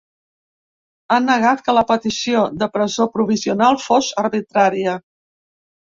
Ha negat que la petició de presó provisional fos arbitrària.